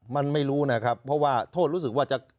มันไม่รู้นะครับเพราะว่าโทษรู้สึกว่าจะ